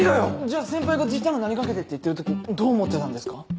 じゃあ先輩が「じっちゃんの名にかけて」って言ってる時どう思ってたんですか？